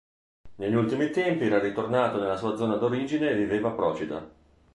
Negli ultimi tempi era ritornato nella sua zona d'origine e viveva a Procida.